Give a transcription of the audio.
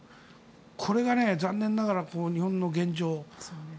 これが残念ながら日本の現状。